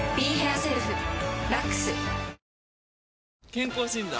健康診断？